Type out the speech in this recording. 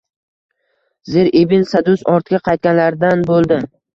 Zir ibn Sadus ortga qaytganlardan bo‘ldi